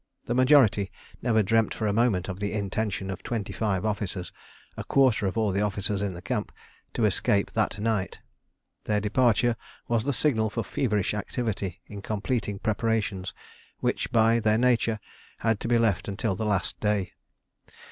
The majority never dreamt for a moment of the intention of twenty five officers a quarter of all the officers in the camp to escape that night. Their departure was the signal for feverish activity in completing preparations which, by their nature, had to be left until the last day.